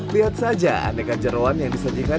lihat saja aneka jerawan yang disediakan